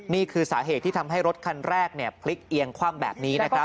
นี่คือสาเหตุที่ทำให้รถคันแรกพลิกเอียงคว่ำแบบนี้นะครับ